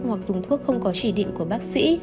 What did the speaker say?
hoặc dùng thuốc không có chỉ định của bác sĩ